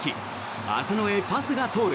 浅野へパスが通る。